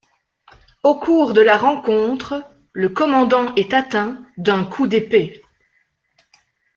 Au cours de la rencontre, le commandant est atteint d'un coup d'épée.